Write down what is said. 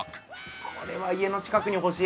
これは家の近くにほしい。